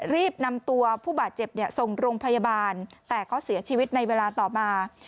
รีบนำตัวผู้บาดเจ็บส่งโรงพยาบาลแต่เขาเสียชีวิตในเวลาต่อมา